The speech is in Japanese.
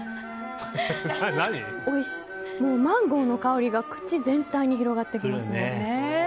おいしい、マンゴーの香りが口全体に広がってきますね。